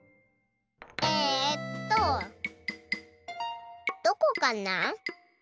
えっとどこかな？